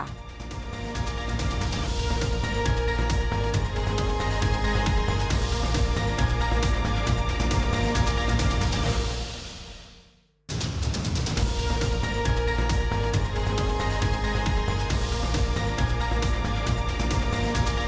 สวัสดีค่ะ